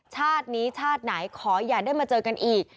ชาตินี้ชาติไหนขออย่าได้มาเจอกันอีก